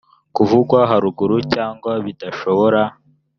kuvugwa haruguru cyangwa bidashobora